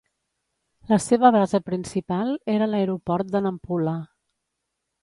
La seva base principal era l'aeroport de Nampula.